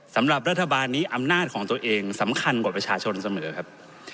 สำหรับรัฐบาลนี้อำนาจของตัวเองสำคัญกว่าประชาชนเสมอครับ